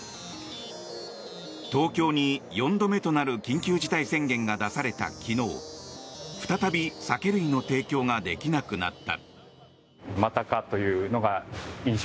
東京に４度目となる緊急事態宣言が出された昨日再び酒類の提供ができなくなった。